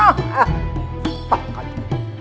hah pah kali